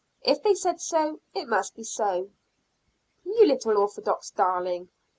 If they said so, it must be so." "You little orthodox darling!"